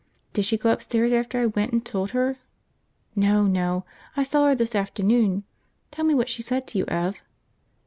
"Did she go upstairs, after I went and told her. ..." "No, no, I saw her this afternoon. Tell me what she said to you, Ev."